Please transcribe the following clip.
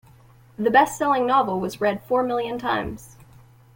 The bestselling novel was read four million times.